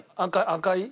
赤い？